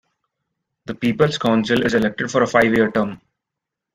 The People's Council is elected for a five-year term.